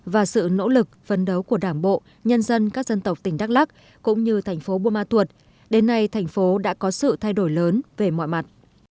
và sự nỗ lực phấn đấu của đảng bộ nhân dân các dân tộc tỉnh đắk lắc cũng như thành phố buôn ma thuột đến nay thành phố đã có sự thay đổi lớn về mọi mặt